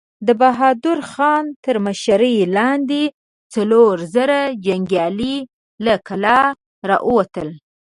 د بهادر خان تر مشرۍ لاندې څلور زره جنګيالي له کلا را ووتل.